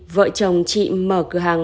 vợ chồng chị mở cửa hàng